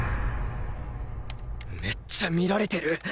めっちゃ見られてる